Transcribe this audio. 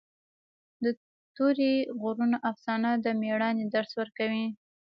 د تورې غرونو افسانه د مېړانې درس ورکوي.